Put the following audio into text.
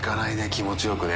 気持ちよくね。